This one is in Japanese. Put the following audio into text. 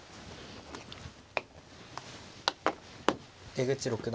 出口六段。